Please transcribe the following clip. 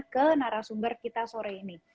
ke narasumber kita sore ini